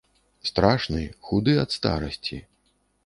Страшны, худы ад старасці.